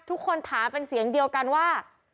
ทุกคนถามเป็นเสียงเดียวกันว่า